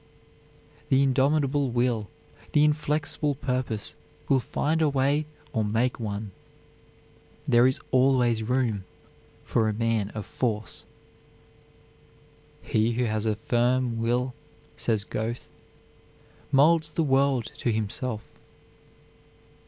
The indomitable will, the inflexible purpose, will find a way or make one. There is always room for a man of force. "He who has a firm will," says Goethe, "molds the world to himself."